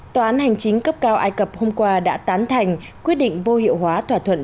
tòa án hành chính cấp cao ai cập hôm qua đã tán thành quyết định vô hiệu hóa thỏa thuận